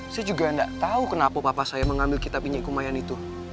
saya juga tidak tahu kenapa papa saya mengambil kitab pinjai kumayan itu